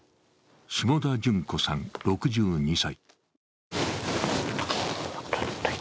下田順子さん６２歳。